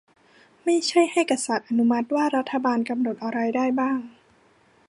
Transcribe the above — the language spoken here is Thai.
ไม่ใช่ให้กษัตริย์อนุญาตว่ารัฐบาลจะกำหนดอะไรได้บ้าง